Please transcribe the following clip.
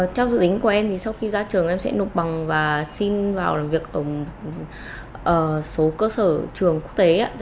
theo dự tính của em thì sau khi ra trường em sẽ nộp bằng và xin vào làm việc ở số cơ sở trường quốc tế